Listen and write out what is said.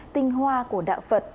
tinh hoa của đạo phật